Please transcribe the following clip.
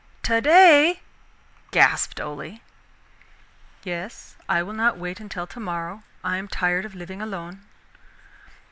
"Today!" gasped Ole. "Yes, I will not wait until tomorrow. I am tired of living alone."